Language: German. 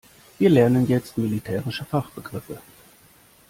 Wir lernen jetzt militärische Fachbegriffe.